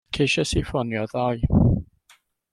Ceisiais i ffonio ddoe.